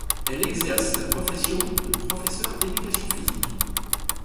Elle exerce la profession de professeur d'éducation physique.